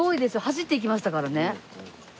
走って行きましたからね。